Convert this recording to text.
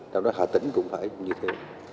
trong đó hà tĩnh cũng phải như thế